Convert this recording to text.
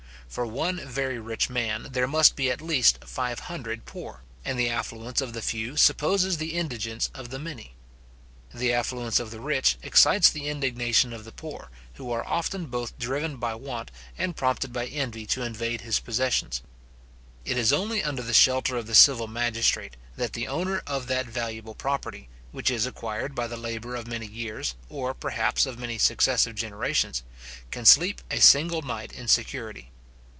For one very rich man, there must be at least five hundred poor, and the affluence of the few supposes the indigence of the many. The affluence of the rich excites the indignation of the poor, who are often both driven by want, and prompted by envy to invade his possessions. It is only under the shelter of the civil magistrate, that the owner of that valuable property, which is acquired by the labour of many years, or perhaps of many successive generations, can sleep a single night in security.